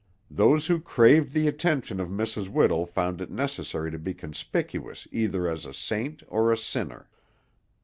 Those who craved the attention of Mrs. Whittle found it necessary to be conspicuous either as a saint or a sinner.